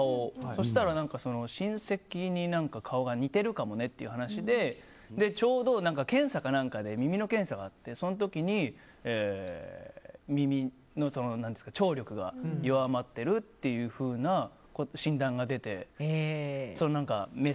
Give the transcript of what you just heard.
そうしたら親戚に顔が似ているかもねっていう話でちょうど検査かなんかで耳の検査があってその時に耳の聴力が弱まってるっていうふうな診断が出て。